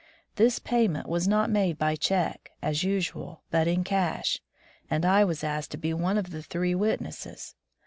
This payment was not made by check, as usual, but in cash, and I was asked to be one of the three wit nesses.